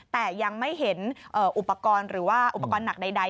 แต่ยังไม่เห็นอุปกรณ์หรือว่าอุปกรณ์หนักใด